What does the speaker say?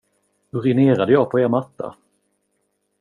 Urinerade jag på er matta?